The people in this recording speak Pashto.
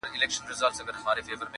د خپل ورور زړه یې څیرلی په خنجر دی!.